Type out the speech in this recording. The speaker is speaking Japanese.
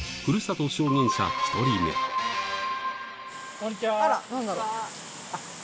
こんにちは。